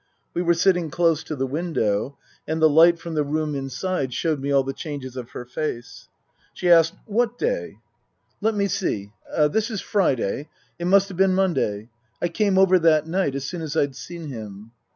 We were sitting close to the window, and the light from the room inside showed me all the changes of her face. She asked, " What day ?"" Let me see. This is Friday. It must have been Monday. I came over that night, as soon as I'd seen him."